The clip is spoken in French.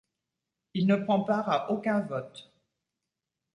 Il ne prend part à aucun vote.